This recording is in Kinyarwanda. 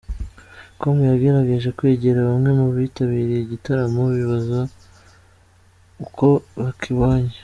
com yagerageje kwegera bamwe mu bitabiriye igitaramo ibabaza uko bakibonye.